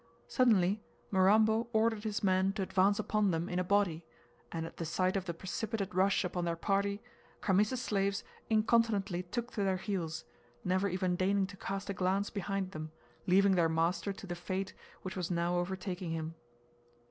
Suddenly Mirambo ordered his men to advance upon them in a body, and at the sight of the precipitate rush upon their party, Khamis's slaves incontinently took to their heels, never even deigning to cast a glance behind them, leaving their master to the fate which was now overtaking him.